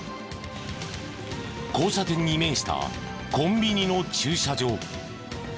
交差点に面したコンビニの駐車場。